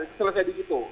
itu selesai di situ